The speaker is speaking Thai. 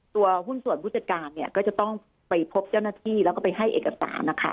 หุ้นส่วนผู้จัดการเนี่ยก็จะต้องไปพบเจ้าหน้าที่แล้วก็ไปให้เอกสารนะคะ